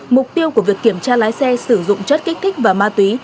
mục tiêu của việc kiểm tra lái xe sử dụng chất kích thích và ma túy